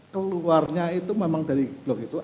keluarnya itu memang dari blok itu